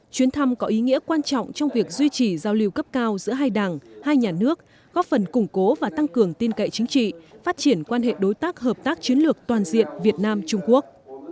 chuyến thăm có ý nghĩa quan trọng trong việc duy trì giao lưu cấp cao giữa hai đảng hai nhà nước góp phần củng cố và tăng cường tin cậy chính trị phát triển quan hệ đối tác hợp tác chiến lược toàn diện việt nam trung quốc